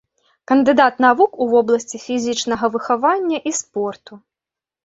Кандыдат навук у вобласці фізічнага выхавання і спорту.